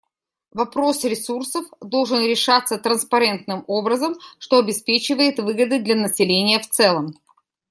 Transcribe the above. Вопрос ресурсов должен решаться транспарентным образом, что обеспечивает выгоды для населения в целом.